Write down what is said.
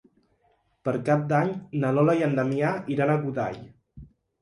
Per Cap d'Any na Lola i en Damià iran a Godall.